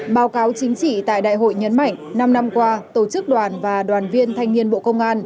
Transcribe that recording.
báo cáo chính trị tại đại hội nhấn mạnh năm năm qua tổ chức đoàn và đoàn viên thanh niên bộ công an